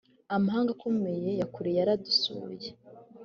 amahanga akomeye ya kure yara dusuye